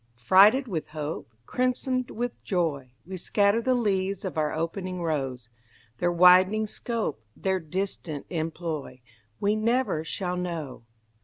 Freighted with hope, Crimsoned with joy, We scatter the leaves of our opening rose; Their widening scope, Their distant employ, We never shall know.